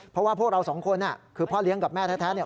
เพราะว่าพวกเราสองคนคือพ่อเลี้ยงกับแม่แท้เนี่ย